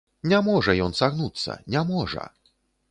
Не можа ён сагнуцца, не можа.